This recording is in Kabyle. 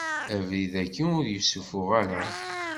Abrid agi ur yessufuɣ ara.